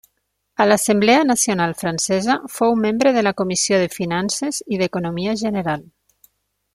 A l'Assemblea Nacional Francesa fou membre de la comissió de finances i d'economia general.